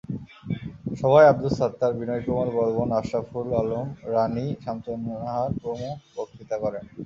সভায় আবদুস ছাত্তার, বিজয় কুমার বর্মণ, আশরাফুল আলম, রানী, শামসুন্নাহার প্রমুখ বক্তৃতা করেন।